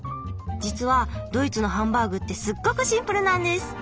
実はドイツのハンバーグってすっごくシンプルなんです。